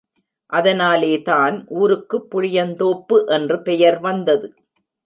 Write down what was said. அதனாலேதான் ஊருக்கு புளியந்தோப்பு என்று பெயர் வந்தது.